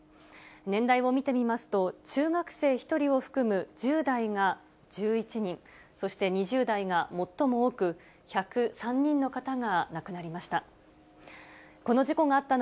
年代を見てみますと、中学生１人を含む１０代が１１人、そして２０代が最も多く、１０３人の方が亡くなりました。